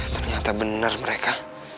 ternyata bener mereka